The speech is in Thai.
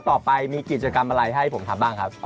ต่อไปมีกิจกรรมอะไรให้ผมทำบ้างครับ